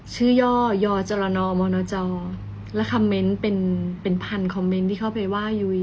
ชื่อย่อยจมและคำเม้นท์เป็นพันคอมเม้นท์ที่เข้าไปว่ายุ้ย